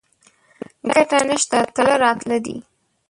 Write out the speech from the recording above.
ګټه نشته تله راتله دي